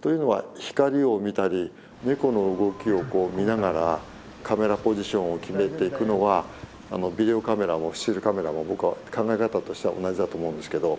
というのは光を見たりネコの動きを見ながらカメラポジションを決めていくのはビデオカメラもスチールカメラも僕は考え方としては同じだと思うんですけど。